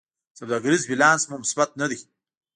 سوداګریز بیلانس مو مثبت نه دی.